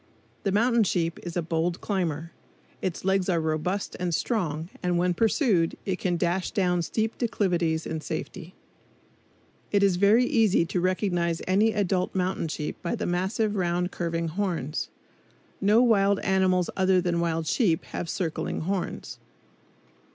The mountain sheep is a bold climber. Its legs are robust and strong, and when pursued it can dash down steep declivities in safety. It is very easy to recognize any adult mountain sheep by the massive round curving horns. No wild animals other than wild sheep have circling horns.